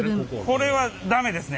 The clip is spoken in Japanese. これは駄目ですね。